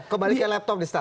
kembalikan laptop di start